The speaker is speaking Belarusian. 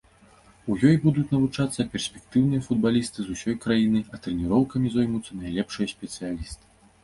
У ёй будуць навучацца перспектыўныя футбалісты з усёй краіны, а трэніроўкамі зоймуцца найлепшыя спецыялісты.